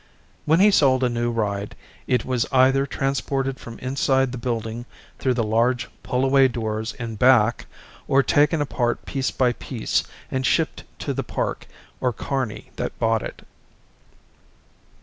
When he sold a new ride it was either transported from inside the building through the large, pull away doors in back or taken apart piece by piece and shipped to the park or carny that bought it.